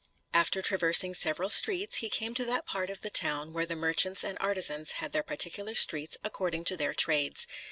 After traversing several streets, he came to that part of the town where the merchants and artisans had their particular streets according to their trades.